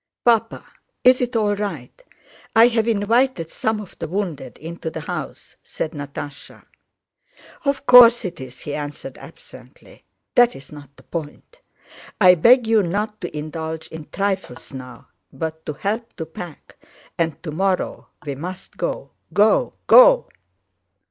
"Papa, is it all right—I've invited some of the wounded into the house?" said Natásha. "Of course it is," he answered absently. "That's not the point. I beg you not to indulge in trifles now, but to help to pack, and tomorrow we must go, go, go!..."